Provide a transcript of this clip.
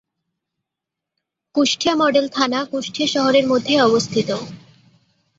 Kushtia model থানা কুষ্টিয়া শহরের মধ্যেই অবস্থিত।